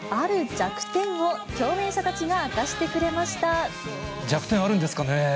弱点あるんですかね？